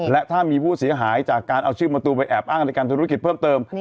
และถ้ามีผู้เสียหายจากการเอาชื่อประตูไปแอบอ้างในการธุรกิจเพิ่มเติม